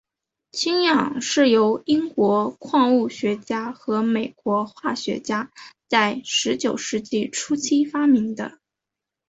氢氧是由英国矿物学家和美国化学家在十九世纪初期发明的。